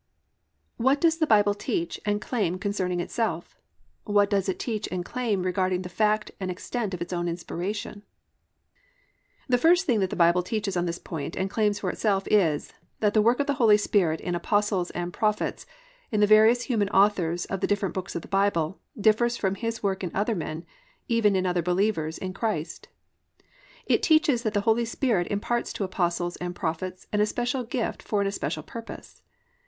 What does the Bible teach and claim concerning itself? What does it teach and claim regarding the fact and extent of its own inspiration? I. THE WORK OF THE HOLY SPIRIT IN APOSTLES AND PROPHETS DIFFERENT IN CHARACTER FROM HIS WORK IN ALL OTHER PERSONS The first thing that the Bible teaches on this point and claims for itself is, _that the work of the Holy Spirit in apostles and prophets, in the various human authors of the different books of the Bible, differs from His work in other men, even in other believers in Christ_. It teaches that the Holy Spirit imparts to apostles and prophets an especial gift for an especial purpose.